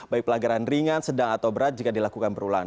baik pelanggaran ringan sedang atau berat jika dilakukan berulang